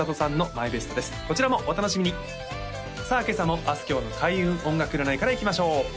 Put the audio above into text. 今朝もあすきょうの開運音楽占いからいきましょう